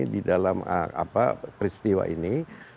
di dalam peristiwa ini